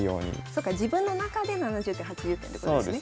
そっか自分の中で７０点８０点ってことですよね。